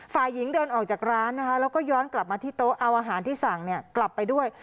ฝ่ายหญิงเดินออกจากร้านนะคะแล้วก็ย้อนกลับมาที่โต๊ะเอาอาหารที่สั่งกลับไปด้วย